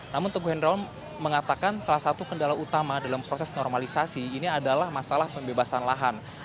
namun teguh hendrawan mengatakan salah satu kendala utama dalam proses normalisasi ini adalah masalah pembebasan lahan